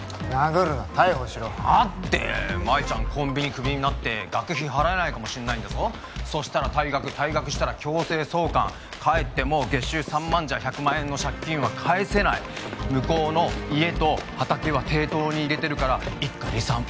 殴るな逮捕しろだってマイちゃんコンビニクビになって学費払えないかもしんないんだぞそしたら退学退学したら強制送還帰っても月収３万じゃ１００万円の借金は返せない向こうの家と畑は抵当に入れてるから一家離散